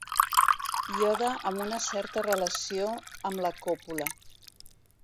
Iode amb una certa relació amb la còpula.